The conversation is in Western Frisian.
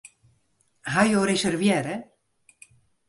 Hawwe jo reservearre?